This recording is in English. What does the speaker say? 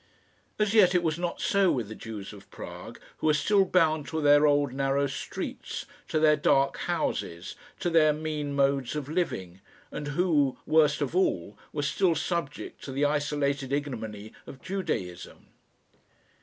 As yet it was not so with the Jews of Prague, who were still bound to their old narrow streets, to their dark houses, to their mean modes of living, and who, worst of all, were still subject to the isolated ignominy of Judaism.